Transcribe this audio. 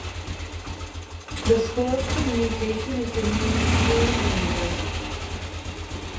The School of Communication is the newest school in the university.